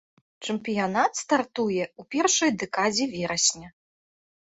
Чэмпіянат стартуе ў першай дэкадзе верасня.